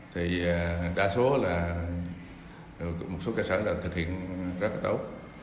thì đa số là một số cơ sở thực hiện rất tốt